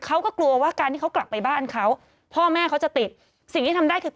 เขาก็กลัวว่าการที่เขากลับไปบ้านเขาพ่อแม่เขาจะติดสิ่งที่ทำได้คือ